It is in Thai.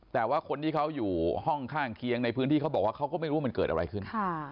แต่ว่าคนที่เขาอยู่ห้องข้างเคียงในพื้นที่เขาบอกว่าเขาก็ไม่รู้ว่ามันเกิดอะไรขึ้น